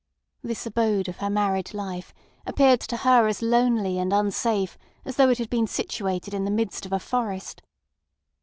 This abode of her married life appeared to her as lonely and unsafe as though it had been situated in the midst of a forest.